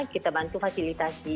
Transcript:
kita bantu fasilitasi